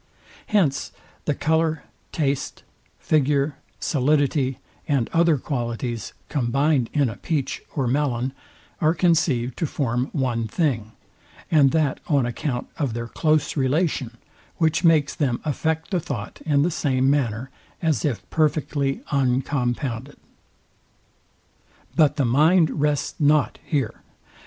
Hence the colour, taste, figure, solidity, and other qualities, combined in a peach or melon, are conceived to form one thing; and that on account of their close relation, which makes them affect the thought in the same manner, as if perfectly uncompounded. But the mind rests not here.